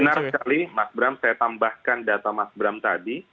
benar sekali mas bram saya tambahkan data mas bram tadi